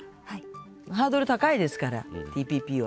ハードル高いですから、ＴＰＰは。